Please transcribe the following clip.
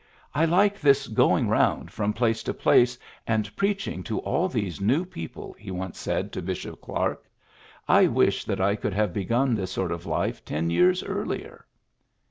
^^I like this going 106 PHILLIPS BEOOKS round from place to place, and preach ing to all these new people," he once said to Bishop Clark. ^^I wish that I could have begun this sort of life ten years earlier."